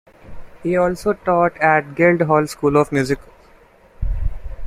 He also taught at Guildhall School of Music.